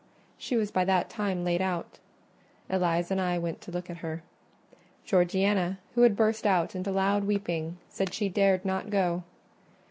She was by that time laid out. Eliza and I went to look at her: Georgiana, who had burst out into loud weeping, said she dared not go.